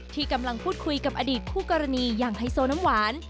ที่กำลังพูดคุยกับอดีตคู่กรณีอย่างไฮโซน้ำหวาน